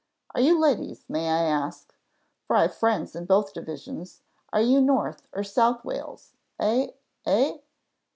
Are you ladies, may I ask, for I've friends in both divisions are you North or South Wales, eh, eh?"